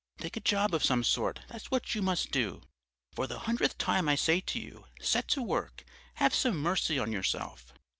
"'Take a job of some sort, that's what you must do. For the hundredth time I say to you, set to work, have some mercy on yourself!'